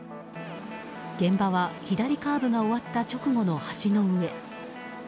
現場は左カーブが終わった直後の橋の上。